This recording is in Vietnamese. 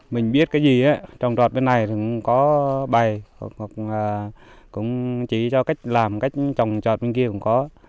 mình biết cái gì trồng trọt bên này thì cũng có bày hoặc chỉ cho cách làm cách trồng trọt bên kia cũng có